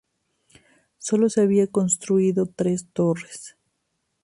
Solo se habían construido tres torres.